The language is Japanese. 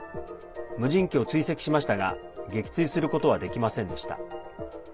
無人機を追跡しましたが撃墜することはできませんでした。